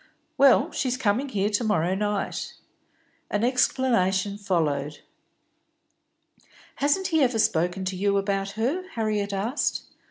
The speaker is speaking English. "Well, she's coming here to morrow night." An explanation followed. "Hasn't he ever spoken to you about her?" Harriet asked.